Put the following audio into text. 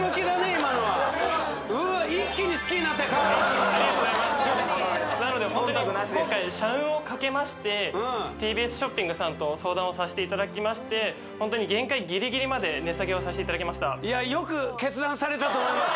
今のは河原さんのことありがとうございますなのでホントに今回社運をかけましてＴＢＳショッピングさんと相談をさせていただきましてホントに限界ギリギリまで値下げをさせていただきましたと思います